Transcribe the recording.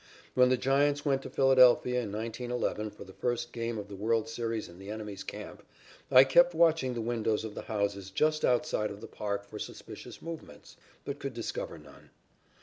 When the Giants went to Philadelphia in 1911 for the first game of the world's series in the enemy's camp, I kept watching the windows of the houses just outside of the park for suspicious movements, but could discover none.